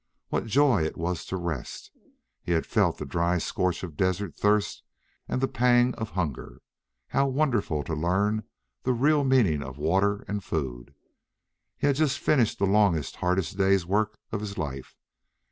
What joy it was to rest! He had felt the dry scorch of desert thirst and the pang of hunger. How wonderful to learn the real meaning of water and food! He had just finished the longest, hardest day's work of his life!